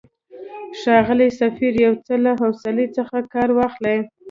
ښاغلی سفیر، یو څه له حوصلې څخه کار واخلئ.